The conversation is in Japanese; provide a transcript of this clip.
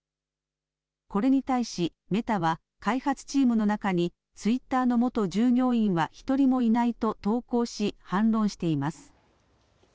これに対しメタは開発チームの中にツイッターの元従業員は１人もいないと投稿し反論しています。